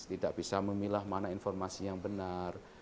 tidak bisa memilah mana informasi yang benar